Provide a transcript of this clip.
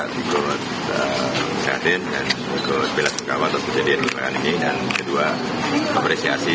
saya ikut kehadir dan ikut pilihan sukawatan untuk menjadikan luka luka ini dan kedua apresiasi